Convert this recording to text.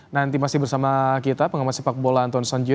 nanti masih bersama kita pengamat sepak bola anton sanjio